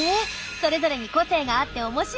それぞれに個性があって面白いの！